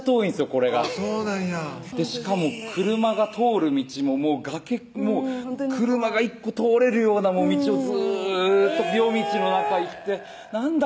これがそうなんやしかも車が通る道ももう崖車が１個通れるような道をずーっと夜道の中行って何だ？